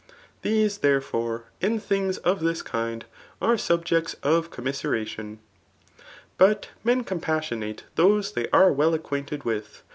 These, therefore, and things of this kind, are subjects of com flMseration. But mdi compasaiottaie those they are well acquainted 1S4 THE ART: OF .